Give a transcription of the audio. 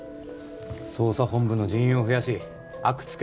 捜査本部の人員を増やし阿久津